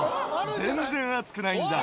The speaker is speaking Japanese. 全然暑くないんだ。